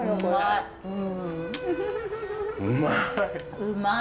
うまい！